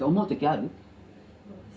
ある。